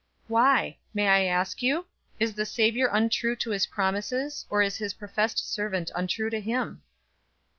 "Why? May I ask you? Is the Savior untrue to his promises, or is his professed servant untrue to him?"